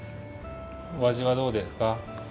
おあじはどうですか？